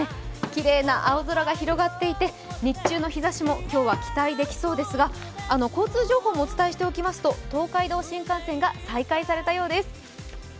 きれいな青空が広がっていて、日中の日ざしも今日は期待できそうですが、交通情報もお伝えしておきますと、東海道新幹線が再開されたようです。